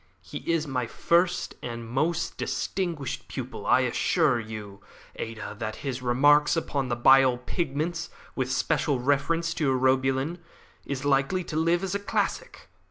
He is my first and my most distinguished pupil. I assure you, Ada, that his 'Remarks upon the Bile Pigments, with special reference to Urobilin,' is likely to live as a classic.